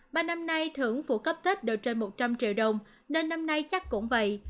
ba năm nay thưởng phụ cấp tết được trên một trăm linh triệu đồng nên năm nay chắc cũng vậy